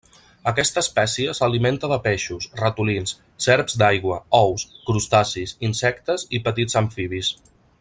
Aquesta espècie s'alimenta de peixos, ratolins, serps d'aigua, ous, crustacis, insectes i petits amfibis.